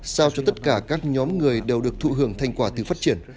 sao cho tất cả các nhóm người đều được thụ hưởng thành quả từ phát triển